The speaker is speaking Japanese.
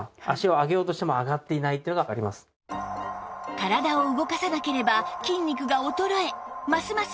体を動かさなければ筋肉が衰えますます